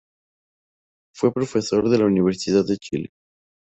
Fue profesor en la Universidad de Chile.